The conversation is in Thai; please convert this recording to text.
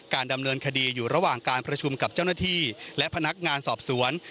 การดำเนินคดีอยู่หลังการพระชุมกับเจ้าหน้าที่และพนักงานสอบศวรรษ